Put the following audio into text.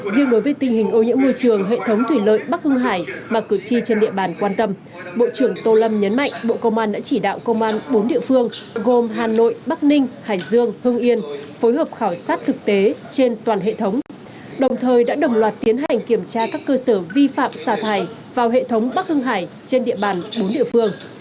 riêng đối với tình hình ô nhiễm môi trường hệ thống thủy lợi bắc hưng hải mà cử tri trên địa bàn quan tâm bộ trưởng tô lâm nhấn mạnh bộ công an đã chỉ đạo công an bốn địa phương gồm hà nội bắc ninh hải dương hưng yên phối hợp khảo sát thực tế trên toàn hệ thống đồng thời đã đồng loạt tiến hành kiểm tra các cơ sở vi phạm xà thải vào hệ thống bắc hưng hải trên địa bàn bốn địa phương